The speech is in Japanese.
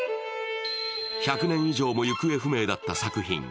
１００年以上も行方不明だった作品。